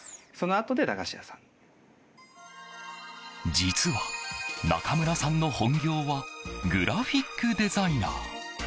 実は中村さんの本業はグラフィックデザイナー。